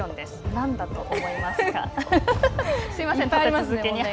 なんだと思いますか。